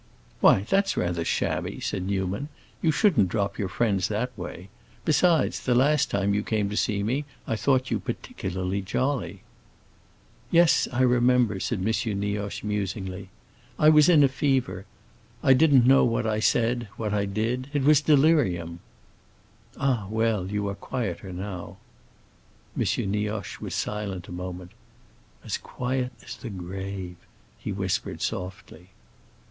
"Why, that's rather shabby," said Newman. "You shouldn't drop your friends that way. Besides, the last time you came to see me I thought you particularly jolly." "Yes, I remember," said M. Nioche musingly; "I was in a fever. I didn't know what I said, what I did. It was delirium." "Ah, well, you are quieter now." M. Nioche was silent a moment. "As quiet as the grave," he whispered softly.